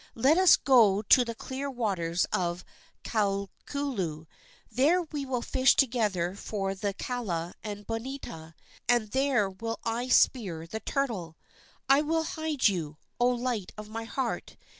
Let us go to the clear waters of Kalulu. There we will fish together for the kala and bonita, and there will I spear the turtle. I will hide you, O light of my heart!